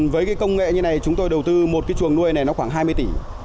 với công nghệ như này chúng tôi đầu tư một chuồng nuôi này khoảng hai mươi tỷ